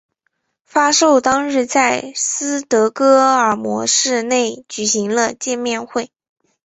发售当日在斯德哥尔摩市内举行了见面会。